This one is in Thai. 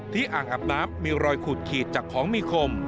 อ่างอาบน้ำมีรอยขูดขีดจากของมีคม